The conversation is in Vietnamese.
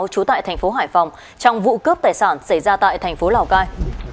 trú tại thành phố hải phòng trong vụ cướp tài sản xảy ra tại thành phố lào cai